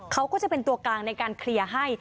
เขาก็จะเป็นตัวกลางในการเคลียร์ให้